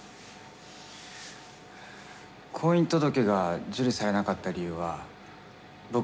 婚姻届が受理されなかった理由は僕にあります。